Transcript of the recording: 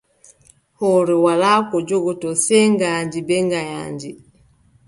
Hoore walaa ko jogotoo, sey ngaandi bee nganyaandi.